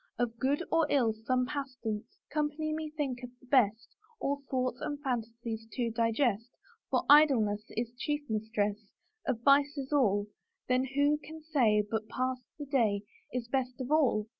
Of good or ill some pastance ; Company me thinketh the best All thoughts and fantasies to digest. For idleness Is chief mistress Of vices all ; Then who can say But pass the day Is best of all? ... Is best of all?